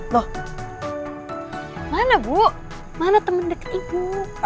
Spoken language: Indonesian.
loh mana bu mana temen deket ibu